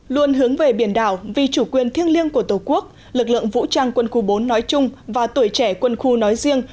luôn hướng về biển đảo vì chủ quyền thiêng liêng của tổ quốc lực lượng vũ trang quân khu bốn nói chung và tuổi trẻ quân khu nói riêng